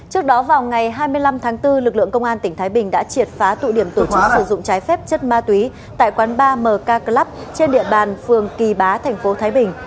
trước đó vào ngày hai mươi năm tháng bốn lực lượng công an tỉnh thái bình đã triệt phá tụi điểm tổ chức sử dụng trái phép chất ma túy tại quán ba mk club trên địa bàn phường kỳ bá tp thái bình